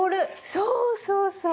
そうそうそう。